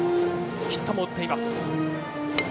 ヒットも打っています。